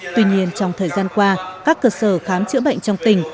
tuy nhiên trong thời gian qua các cơ sở khám chữa bệnh trong tỉnh